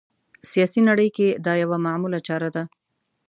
سیاسي نړۍ کې دا یوه معموله چاره ده